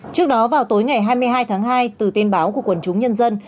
trước đó vào tối ngày hai mươi hai tháng hai từ tin báo của quần chúng nhân dân